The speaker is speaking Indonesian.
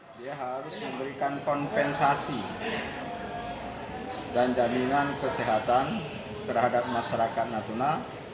dia harus memberikan kompensasi dan jaminan kesehatan terhadap masyarakat natuna